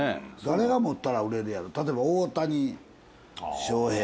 誰が持ったら売れるやろ例えば大谷翔平。